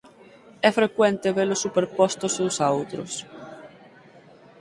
É frecuente velos superpostos uns a outros.